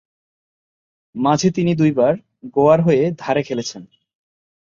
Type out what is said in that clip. মাঝে তিনি দুই বার গোয়ার হয়ে ধারে খেলেছেন।